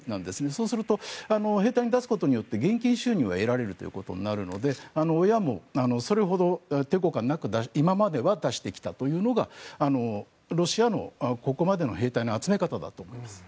そうすると兵隊に出すことによって現金収入を得られるので親もそれほど抵抗感がなく今まではロシアのここまでの兵隊の集め方だと思います。